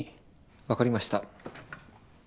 わかりました。